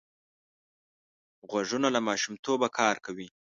غوږونه له ماشومتوبه کار کوي